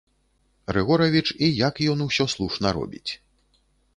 Рыгоравіч і як ён усё слушна робіць.